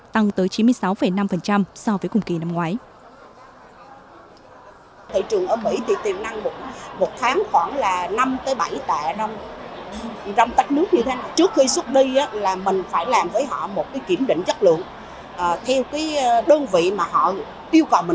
tăng tới chín mươi sáu năm so với hồi trước